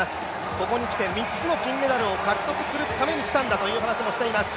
ここに来て、３つの金メダルを獲得するために来たんだと話しています。